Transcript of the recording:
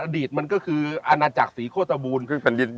อดีตมันก็คืออาณาจักรศรีโฆษบูรณ์